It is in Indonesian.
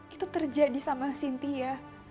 itu terjadi sama sintia